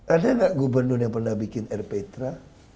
ada nggak gubernur yang pernah bikin rptra